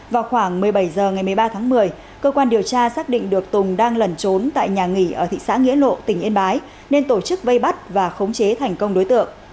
vào khoảng một mươi bảy h ngày một mươi ba tháng một mươi cơ quan điều tra xác định được tùng đang lẩn trốn tại nhà nghỉ ở thị xã nghĩa lộ tỉnh yên bái nên tổ chức vây bắt và khống chế thành công đối tượng